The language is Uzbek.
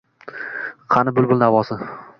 Qani bulbul navosi?»